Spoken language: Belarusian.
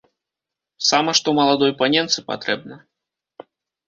Сама што маладой паненцы патрэбна.